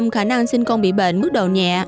năm mươi khả năng sinh con bị bệnh mức độ nhẹ